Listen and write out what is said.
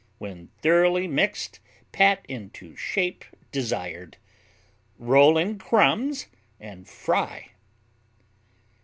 When thoroughly mixed pat into shape desired, roll in crumbs and fry.